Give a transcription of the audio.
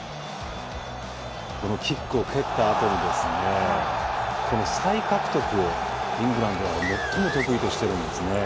このキックを蹴ったあとにこの再獲得をイングランドは最も得意としてるんですね。